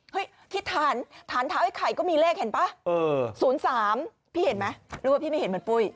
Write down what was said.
เฮ้ยที่ถันถันเท้าไอ้ไข่ก็มีเลขเห็นป่ะ๐๓พี่เห็นมั้ยหรือว่าพี่ไม่เห็นเหมือนปุ้ย